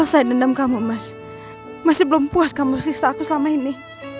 saya dendam kamu mas masih belum puas kamu sisa aku selama ini